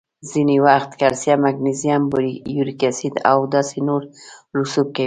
ځینې وخت کلسیم، مګنیزیم، یوریک اسید او داسې نور رسوب کوي.